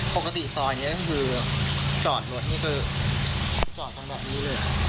ปกติเท่านี้จอดรถจอดตรงแบบนี้หรือ